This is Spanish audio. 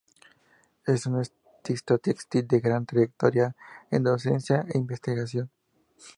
Es una artista textil, de gran trayectoria en docencia e investigación.